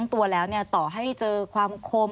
สวัสดีค่ะที่จอมฝันครับ